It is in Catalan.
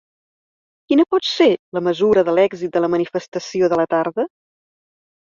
Quina pot ser la mesura de l’èxit de la manifestació de la tarda?